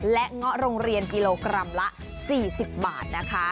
และเงาะโรงเรียนกิโลกรัมละ๔๐บาทนะคะ